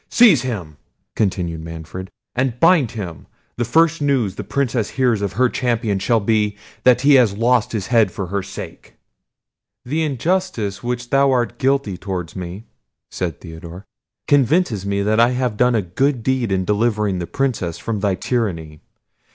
Seize him," continued Manfred, "and bind him—the first news the Princess hears of her champion shall be, that he has lost his head for her sake." "The injustice of which thou art guilty towards me," said Theodore, "convinces me that I have done a good deed in delivering the Princess from thy tyranny.